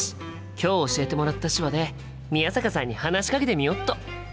今日教えてもらった手話で宮坂さんに話しかけてみよっと！